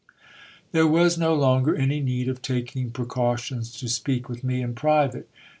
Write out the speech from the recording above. There was no longer any need of taking precautions to speak with me in private.